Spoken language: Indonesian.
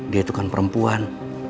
dia itu kan perempuan